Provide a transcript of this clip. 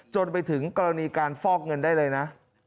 จนไปถึงกรณีการฟอกเงินได้เลยนะ